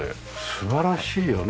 素晴らしいよね。